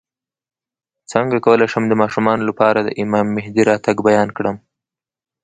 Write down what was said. څنګه کولی شم د ماشومانو لپاره د امام مهدي راتګ بیان کړم